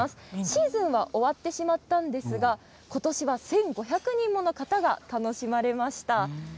シーズン終わってしまいましたが今年は１５００人もの方が楽しまれました。